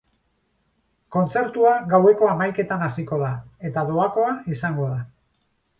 Kontzertua gaueko hamaiketan hasiko da, eta doakoa izango da.